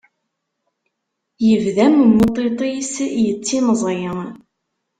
Yebda memmu n tiṭ-is yettimẓi.